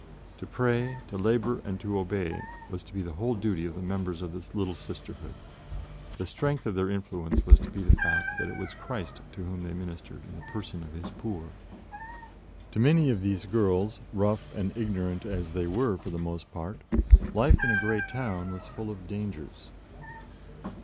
To pray, to labor and to obey was to be the whole duty of the members of the little sisterhood. The strength of their influence was to be the fact that it was Christ to whom they ministered in the person of His poor. To many of these girls, rough and ignorant as they were for the most part, life in a great town was full of dangers.